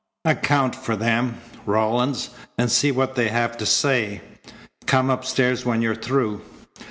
"Account for them, Rawlins, and see what they have to say. Come upstairs when you're through.